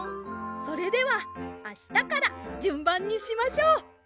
それではあしたからじゅんばんにしましょう！